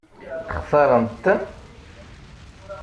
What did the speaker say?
Xtaṛent-ten?